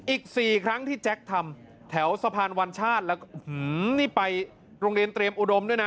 อีก๔ครั้งที่แจ๊คทำแถวสะพานวัญชาติแล้วก็นี่ไปโรงเรียนเตรียมอุดมด้วยนะ